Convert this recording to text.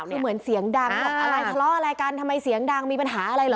คือเหมือนเสียงดังบอกอะไรทะเลาะอะไรกันทำไมเสียงดังมีปัญหาอะไรเหรอ